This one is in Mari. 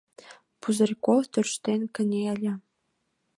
Пузырьков тӧрштен кынеле: